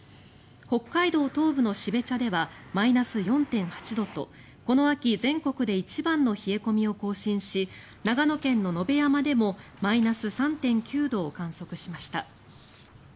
北海道東部の標茶ではマイナス４．８度とこの秋、全国で一番の冷え込みを更新し長野県の野辺山でもマイナス３．９度を観測しました。